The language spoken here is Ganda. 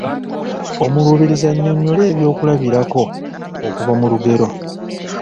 Omuluubirizi annyonnyole ebyokulabirako okuva mu lugero.